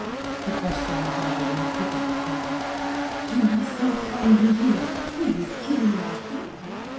The question was added in a quickening tone. "He must not find me here. He would kill me, I think."